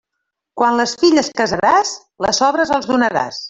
Quan les filles casaràs, les sobres els donaràs.